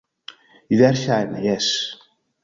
Verŝajne, jes...